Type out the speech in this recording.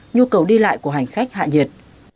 nhu cầu đi lại của hành khách hạ nhiệt